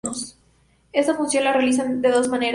Esta función la realizan de dos maneras.